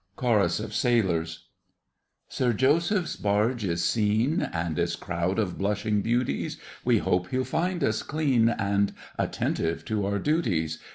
CHORUS OF SAILORS Sir Joseph's barge is seen, And its crowd of blushing beauties, We hope he'll find us clean, And attentive to our duties.